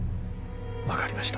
分かりました。